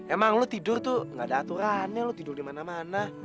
emang lo tidur tuh gak ada aturannya lo tidur dimana mana